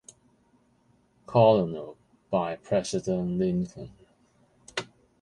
Colonel, by President Lincoln.